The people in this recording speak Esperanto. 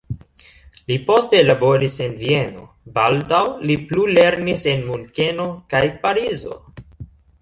Li poste laboris en Vieno, baldaŭ li plulernis en Munkeno kaj Parizo.